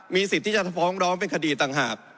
สิทธิ์ที่จะฟ้องร้องเป็นคดีต่างหาก